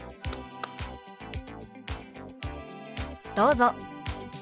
どうぞ。